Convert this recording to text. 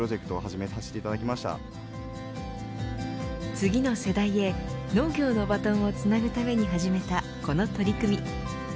次の世代へ農業のバトンをつなぐために始めたこの取り組み。